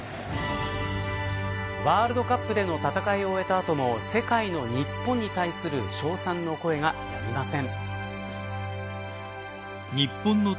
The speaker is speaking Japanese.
ワールドカップでの戦いを終えた後も世界の日本に対する称賛の声がやみません。